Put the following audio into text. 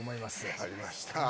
分かりました。